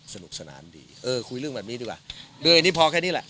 สนุกสนานดีเออคุยเรื่องแบบนี้ดีกว่าด้วยอันนี้พอแค่นี้แหละ